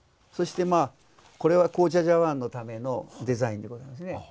そしてまあこれは紅茶茶碗のためのデザインでございますね。